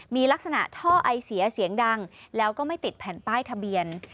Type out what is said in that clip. มีลักษณะท่อไอเสียเสียงดังแล้วก็ไม่ติดแผ่นป้ายทะเบียน